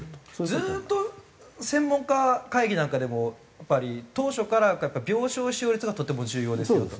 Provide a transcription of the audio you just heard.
ずっと専門家会議なんかでもやっぱり当初から病床使用率がとても重要ですよと。